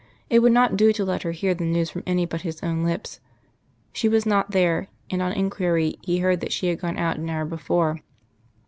It would not do to let her hear the news from any but his own lips. She was not there, and on inquiry he heard that she had gone out an hour before.